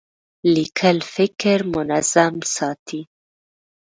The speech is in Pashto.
لیکل فکر منظم ساتي.